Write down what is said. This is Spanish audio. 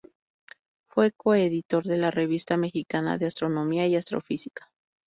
Fue coeditor de la "Revista Mexicana de Astronomía y Astrofísica".